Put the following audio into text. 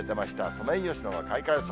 ソメイヨシノの開花予想。